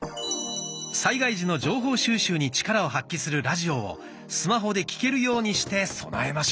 災害時の情報収集に力を発揮するラジオをスマホで聴けるようにして備えましょう。